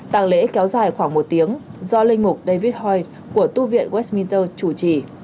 tăng lễ kéo dài khoảng một tiếng do linh mục david hoyt của tư viện westminster chủ trì